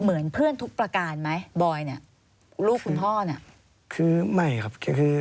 เหมือนเพื่อนทุกประกาศมั้ยบอยเนี่ย